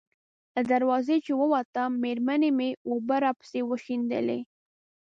له دروازې چې ووتم، مېرمنې مې اوبه راپسې وشیندلې.